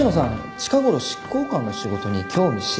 近頃執行官の仕事に興味津々ですね。